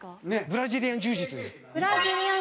ブラジリアン柔術？